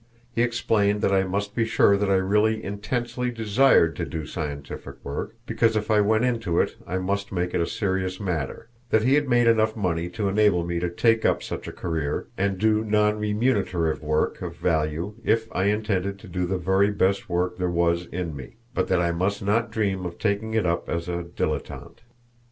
He explained that I must be sure that I really intensely desired to do scientific work, because if I went into it I must make it a serious career; that he had made enough money to enable me to take up such a career and do non remunerative work of value if I intended to do the very best work there was in me; but that I must not dream of taking it up as a dilettante.